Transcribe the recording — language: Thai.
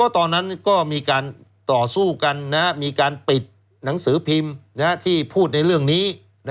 ตอนนั้นมีการปิดหนังสือพิมพ์ที่พูดในเรื่องนี้